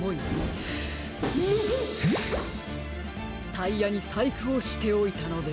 タイヤにさいくをしておいたのです。